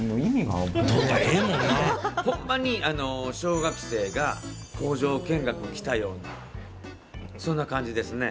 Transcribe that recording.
ほんまに小学生が工場見学来たようなそんな感じですね。